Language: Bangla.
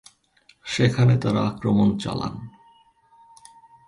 সেখানে তারা আক্রমণ চালান।